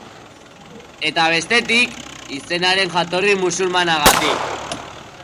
Eta bestetik, izenaren jatorri musulmanagatik.